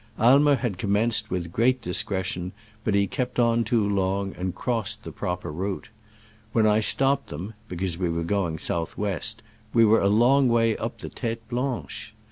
Ai mer had commenced with great discre tion, but he kept on too long, and cross ed the proper route. When I stopped them (because we were going south west) we were a long way up the Tete Blanche